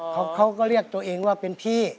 เขาก็เรียกตัวเองว่าเป็นพี่